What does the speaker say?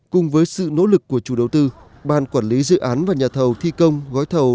cùng với sự nỗ lực của chủ đầu tư ban quản lý dự án và nhà thầu thi công gói thầu